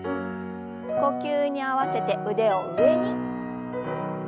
呼吸に合わせて腕を上に。